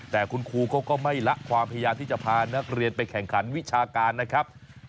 แต่คุณครูเขาก็ไม่ละความพยายามที่จะพานักเรียนไปแข่งขันวิชาการนะครับ